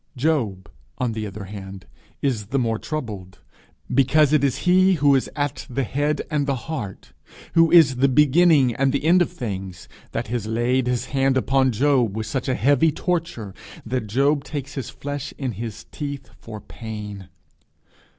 Job, on the other hand, is the more troubled because it is He who is at the head and the heart, who is the beginning and the end of things, that has laid his hand upon him with such a heavy torture that he takes his flesh in his teeth for pain.